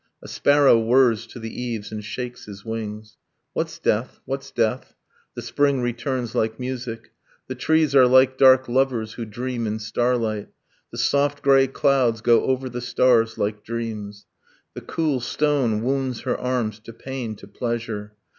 A sparrow whirs to the eaves, and shakes his wings. What's death what's death? The spring returns like music, The trees are like dark lovers who dream in starlight, The soft grey clouds go over the stars like dreams. The cool stone wounds her arms to pain, to pleasure.